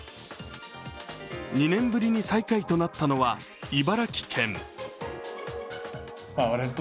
２年ぶりに最下位となったのは茨城県。